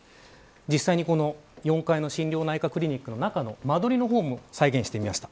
実際に、この４階の心療内科クリニックの間取りも再現してみました。